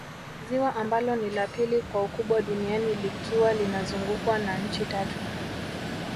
Ziwa ambalo ni la pili kwa ukubwa duniani likiwa linazungukwa na nchi Tatu